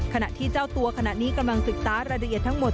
ขณะที่เจ้าตัวขณะนี้กำลังศึกษารายละเอียดทั้งหมด